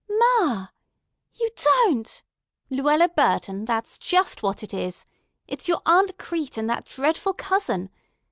Ma! You don't——!" "Luella Burton, that's just what it is! It's your Aunt Crete and that dreadful cousin.